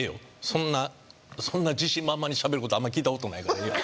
そんなそんな自信満々に喋ることあんま聞いたことないからええよ